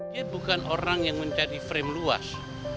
dia bukan orang yang mencari frame luas